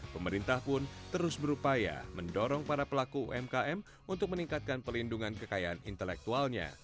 pemerintah pun terus berupaya mendorong para pelaku umkm untuk meningkatkan pelindungan kekayaan intelektualnya